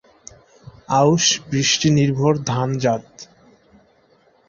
আউশ বৃষ্টি নির্ভর ধান জাত।